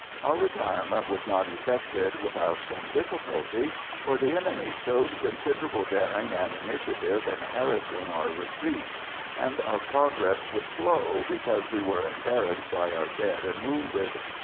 Our retirement was not effected without some difficulty, for the enemy showed considerable daring and initiative in harassing our retreat; and our progress was slow, because we were embarrassed by our dead and wounded.